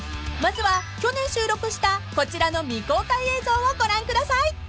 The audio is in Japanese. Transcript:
［まずは去年収録したこちらの未公開映像をご覧ください］